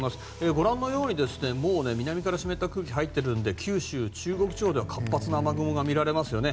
ご覧のようにもう南から湿った空気が入っているので九州、中国地方では活発な雨雲が見られますね。